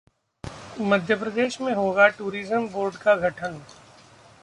मध्य प्रदेश में होगा tourism board का गठन